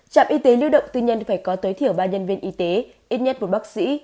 trạm y tế lưu động tư nhân phải có tối thiểu ba nhân viên y tế ít nhất một bác sĩ